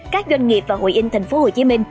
các doanh nghiệp và hội in tp hcm